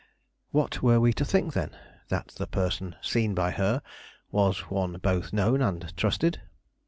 What were we to think then? That the person seen by her was one both known and trusted?